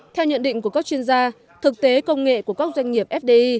theo nhận định của các chuyên gia thực tế công nghệ của các doanh nghiệp fdi